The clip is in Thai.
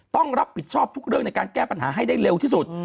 ต้องรับผิดชอบทุกเรื่องในการแก้ปัญหาให้ได้เร็วที่สุด